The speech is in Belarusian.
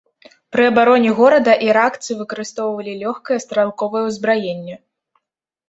Пры абароне горада іракцы выкарыстоўвалі лёгкае стралковае ўзбраенне.